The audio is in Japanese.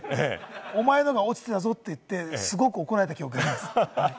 お前のが落ちてたぞって言って、すごく怒られた記憶があります。